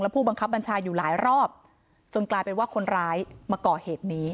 ผู้บังคับบัญชาอยู่หลายรอบจนกลายเป็นว่าคนร้ายมาก่อเหตุนี้